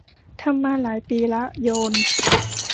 ทำมาหลายปีละ โยน